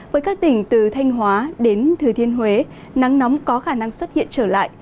với các tỉnh từ thanh hóa đến thừa thiên huế nắng nóng có khả năng xuất hiện trở lại